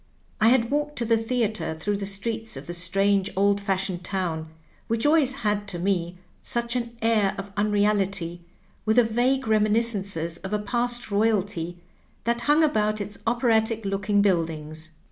I had walked to the theatre through the streets of the strange old fashioned town, which always had to me such an air of unreality, with the vague reminiscences of a past royalty that hung about its operatic looking build ings.